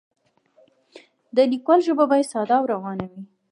د لیکوال ژبه باید ساده او روانه وي.